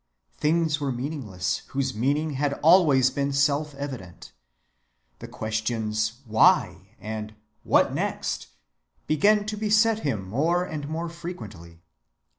Things were meaningless whose meaning had always been self‐evident. The questions "Why?" and "What next?" began to beset him more and more frequently.